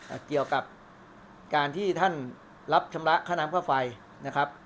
เกี่ยวกับการที่ท่านรับชำระค่าน้ำค่าไฟนะครับ